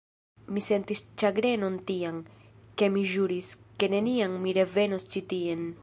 Mi sentis ĉagrenon tian, ke mi ĵuris, ke neniam mi revenos ĉi tien.